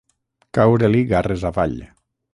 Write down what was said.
Caure-li garres avall.